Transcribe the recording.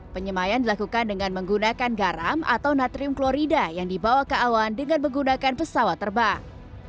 penyemayan dilakukan dengan menggunakan garam atau natrium klorida yang dibawa ke awan dengan menggunakan pesawat terbang